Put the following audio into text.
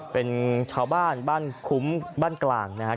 เป็นชาวบ้านบ้านคุ้มบ้านกลางนะครับ